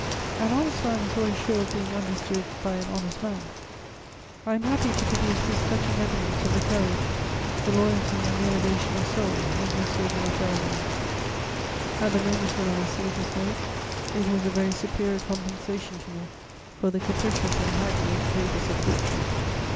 An honest man is always sure of being understood by an honest man. I am happy to produce this touching evidence of the courage, the loyalty and the elevation of soul of M. de La Ferronnays. At the moment when I received this note, it was a very superior compensation to me for the capricious and hackneyed favours of fortune.